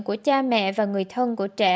của cha mẹ và người thân của trẻ